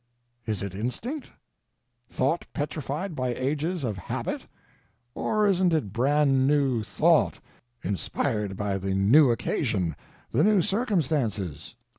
Is it instinct?—thought petrified by ages of habit—or isn't it brand new thought, inspired by the new occasion, the new circumstances?